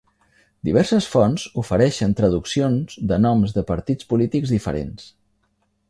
Diverses fonts ofereixen traduccions de noms de partits polítics diferents.